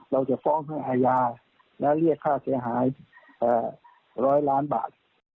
เราจะฟ้องทั้งอายาและเลี่ยค่าเสียหายแค่๑๐๐ล้านบาท